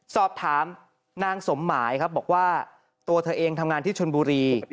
สอบถามนางสมหมายครับบอกว่าตัวเธอเองทำงานที่ชนบุรี